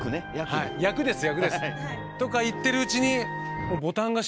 はい役です役です。とか言ってるうちにあっほんと！